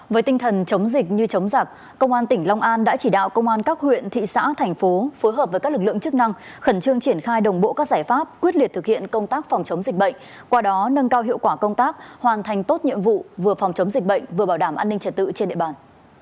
với tinh thần chống dịch như chống giặc công an tỉnh long an đã chỉ đạo công an các huyện thị xã thành phố phối hợp với các lực lượng chức năng khẩn trương triển khai đồng bộ các giải pháp quyết liệt thực hiện công tác phòng chống dịch bệnh qua đó nâng cao hiệu quả công tác hoàn thành tốt nhiệm vụ vừa phòng chống dịch bệnh vừa bảo đảm an ninh trật tự trên địa bàn